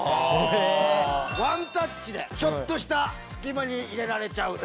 ワンタッチでちょっとした隙間に入れられちゃう。